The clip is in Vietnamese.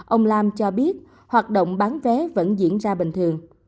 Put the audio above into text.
ông lam cho biết hoạt động bán vé vẫn diễn ra bình thường